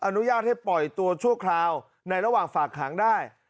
อนุญาตให้ปล่อยตัวชั่วคราวในระหว่างฝากขังได้